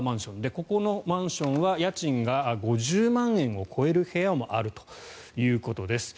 ここのマンションは家賃が５０万円を超える部屋もあるということです。